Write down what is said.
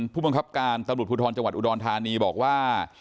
ผู้บังคับการตำรวจภูทรจังหวัดอุดรธานีบอกว่า